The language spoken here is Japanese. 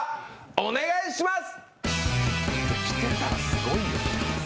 お願いします。